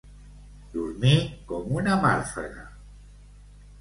Dormir com una màrfega.